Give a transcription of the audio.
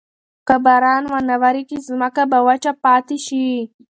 که باران ونه وریږي، ځمکه به وچه پاتې شي.